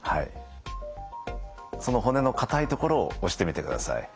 その骨の硬い所を押してみてください。